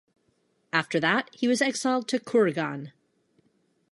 After that he was exiled to Kurgan.